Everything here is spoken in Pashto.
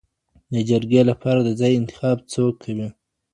د جرګي لپاره د ځای انتخاب څوک کوي؟